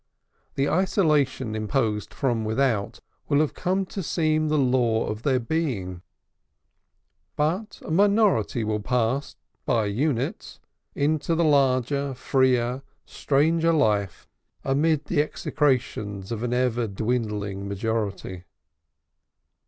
The isolation imposed from without will have come to seem the law of their being. But a minority will pass, by units, into the larger, freer, stranger life amid the execrations of an ever dwindling majority.